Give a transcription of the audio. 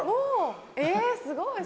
えすごい！